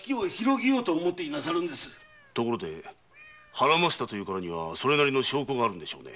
ハラませたと言うからにはそれなりの証拠があるんでしょうね。